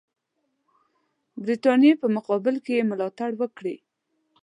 برټانیې په مقابل کې یې ملاتړ وکړي.